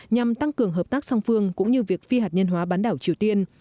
nhằm tăng cường hợp tác song phương cũng như việc phi hạt nhân hóa bán đảo triều tiên